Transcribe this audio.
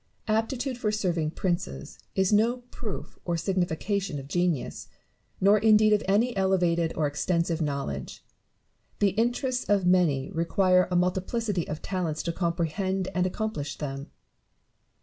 Aptitude for serving princes is no proof or signifi cation of genius, nor indeed of any elevated or extensive knowledge. The interests of many require a multiplicity of talents to comprehend and accomplish them.